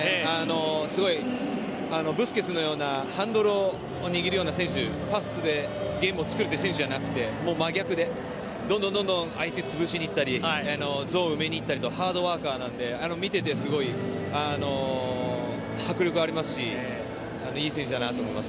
すごい、ブスケツのようなハンドルを握るような選手パスでゲームを作るという選手じゃなくて真逆で、どんどん相手を潰しに行ったりゾーンを埋めに行ったりとハードワーカーなので見てて、すごい迫力ありますしいい選手だなと思います。